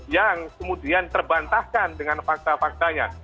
yang kemudian terbantahkan dengan fakta faktanya